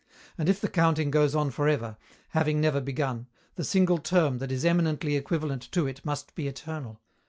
And if the counting goes on for ever, having never begun, the single term that is eminently equivalent to it must be eternal.